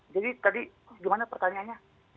jadi tadi gimana pertanyaannya